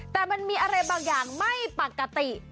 แต่มันมีอะไรบางอย่างไม่ปกติ